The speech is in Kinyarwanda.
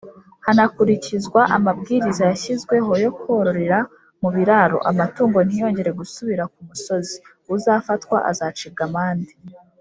hanakurikizwa amabwiriza yashyizweho yo kororera mu biraro amatungo ntiyongera gusubira ku musozi uzafatwa azacibwa amande.